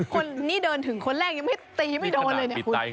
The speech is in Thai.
คนนี้เดินถึงคนแรกยังไม่ได้ตีไม่โดนเลย